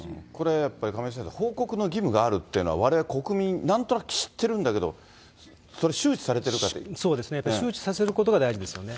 これやっぱり、亀井先生、報告の義務があるというのは、われわれ国民、なんとなく知っているんだけれども、それ、周知されて周知させることが大事ですよね。